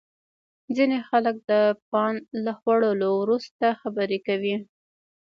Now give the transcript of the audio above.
ځینې خلک د پان له خوړلو وروسته خبرې کوي.